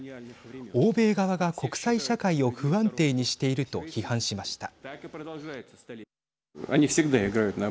欧米側が国際社会を不安定にしていると批判しました。